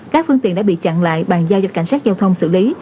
các phương tiện đã bị chặn lại bằng giao dịch cảnh sát giao thông xử lý